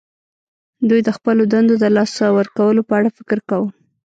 دوی د خپلو دندو د لاسه ورکولو په اړه فکر کاوه